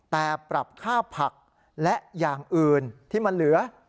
แต่ปรับค่าผักและอย่างอื่นที่มันเหลือ